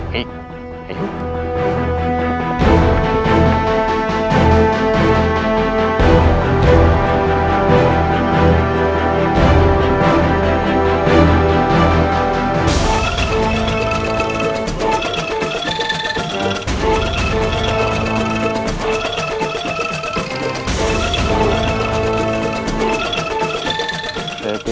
lihat di sini